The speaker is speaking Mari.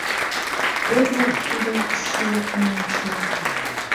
Эдвард тудым шӱлыкын ончен.